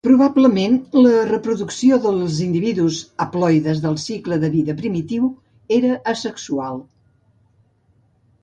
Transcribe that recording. Probablement, la reproducció dels individus haploides del cicle de vida primitiu era asexual.